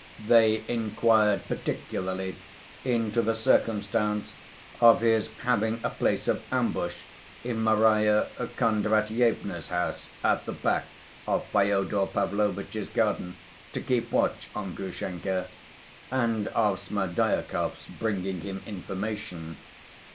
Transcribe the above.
They inquired particularly into the circumstance of his having a place of ambush in Marya Kondratyevna's house at the back of Fyodor Pavlovitch's garden to keep watch on Grushenka, and of Smerdyakov's bringing him information.